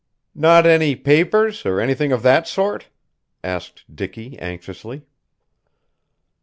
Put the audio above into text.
"Not any papers, or anything of that sort?" asked Dicky anxiously.